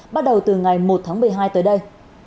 bắt đầu từ ngày một tháng một mươi hai tới đây